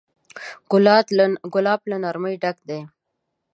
ګلاب له نرمۍ ډک دی.